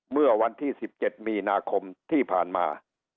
เมื่อวันที่๑๗มีนาคมที่ผ่านมา